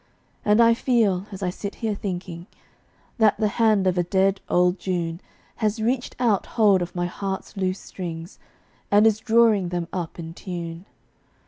And I feel, as I sit here thinking, That the hand of a dead old June Has reached out hold of my heart's loose strings, And is drawing them up in tune.